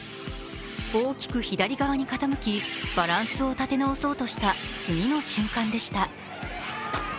大きく左側に傾き、バランスを立て直そうしたと次の瞬間でした。